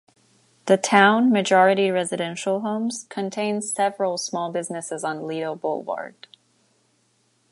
The town, majority residential homes, contains several small-business' on Lido Boulevard.